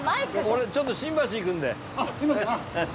俺ちょっと新橋行くので。